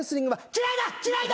嫌いだ！